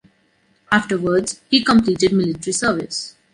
Afterwards, he completed military service.